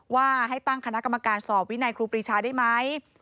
ว่าให้ตั้งคณะกรรมการสอบวินัยครูปรีชาได้ไหม